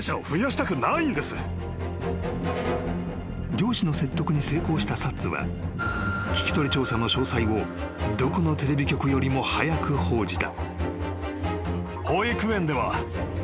［上司の説得に成功したサッツは聞き取り調査の詳細をどこのテレビ局よりも早く報じた］